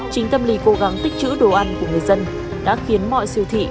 chính tâm lý cố gắng tích chữ đồ ăn của người dân đã khiến mọi siêu thị